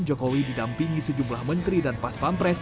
jokowi didampingi sejumlah menteri dan paspampres